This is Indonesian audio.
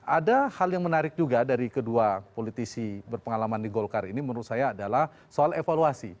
ada hal yang menarik juga dari kedua politisi berpengalaman di golkar ini menurut saya adalah soal evaluasi